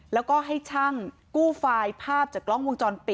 แล้วก็ให้ช่างกู้ไฟล์ภาพ